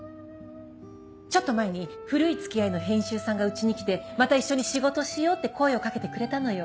ちょっと前に古い付き合いの編集さんがうちに来て「また一緒に仕事しよう」って声を掛けてくれたのよ。